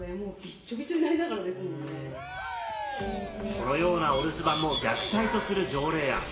このようなお留守番も虐待とする条例案。